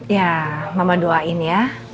ya mama doain ya